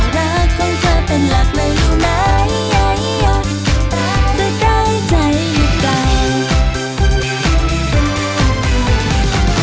แต่ก็ยังเดินข้าวรักของเธอเป็นหลักไม่รู้ไหม